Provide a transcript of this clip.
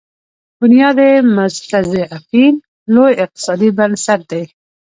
بنیاد مستضعفین لوی اقتصادي بنسټ دی.